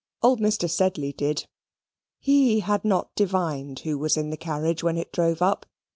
Old Mr. Sedley did. HE had not divined who was in the carriage when it drove up.